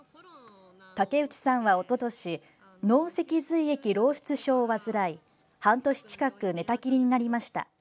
竹内さんはおととし脳脊髄液漏出症を患い半年近く寝たきりになりました。